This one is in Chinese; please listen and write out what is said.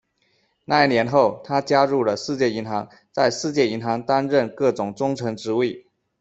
那一年后，他加入了世界银行，在世界银行担任各种中层职位。